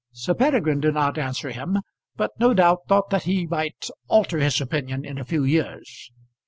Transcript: Sir Peregrine did not answer him, but no doubt thought that he might alter his opinion in a few years.